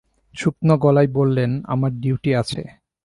শুকনো গলায় বললেন, আমার ডিউটি আছে।